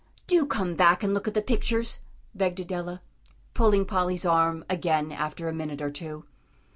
"Do come back and look at the pictures," begged Adela, pulling Polly's arm again after a minute or two.